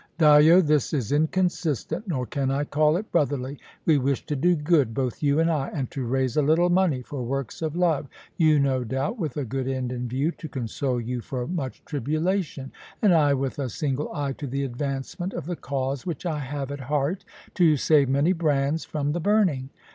"Dyo, this is inconsistent, nor can I call it brotherly. We wish to do good, both you and I, and to raise a little money for works of love; you, no doubt, with a good end in view, to console you for much tribulation; and I with a single eye to the advancement of the cause which I have at heart, to save many brands from the burning.